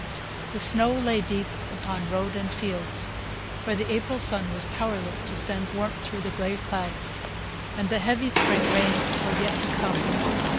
The snow lay deep upon road and fields, for the April sun was powerless to send warmth through the gray clouds, and the heavy spring rains were yet to come.